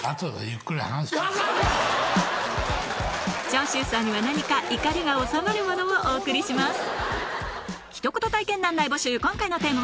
長州さんには何か怒りが収まるものをお送りします